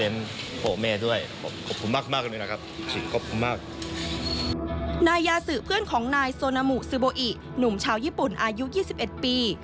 นายยาสือเพื่อนของนายโซนามุซือโบอิหนุ่มชาวญี่ปุ่นอายุ๒๑ปี